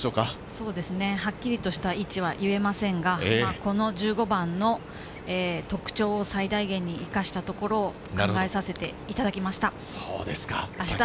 そうですね。はっきりとした位置は言いませんが、この１５番の特徴を最大限に生かしたところを考えさせていただきました。